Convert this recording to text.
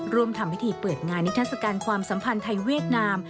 ทำพิธีเปิดงานนิทัศกาลความสัมพันธ์ไทยเวียดนาม